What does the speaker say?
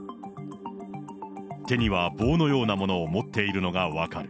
手には棒のようなものを持っているのが分かる。